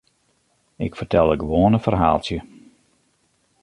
Ik fertelde gewoan in ferhaaltsje.